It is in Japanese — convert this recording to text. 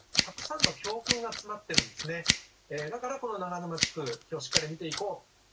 そこにはだからこの長沼地区今日しっかり見ていこう！